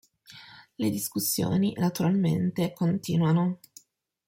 Le discussioni, naturalmente, continuano.